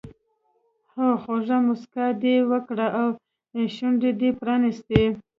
هو خوږه موسکا دې وکړه او شونډې دې پرانیستې.